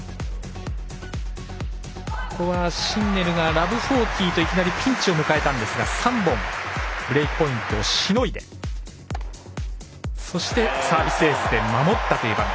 ここはシンネルが０−４０とピンチを迎えたんですが３本ブレークポイントをしのいで、そしてサービスエースで守ったという場面。